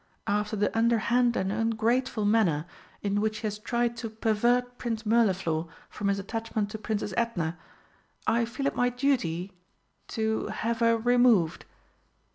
After the underhand and ungrateful manner in which she has tried to pervert Prince Mirliflor from his attachment to Princess Edna, I feel it my duty to have her removed."